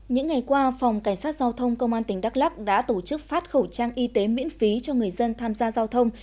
những ngày qua phòng cảnh sát giao thông công an tỉnh đắk lắc đã tổ chức phát khẩu trang y tế miễn phí cho người dân tham gia giao thông